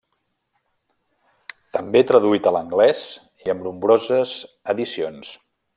També traduït a l'anglès i amb nombroses edicions.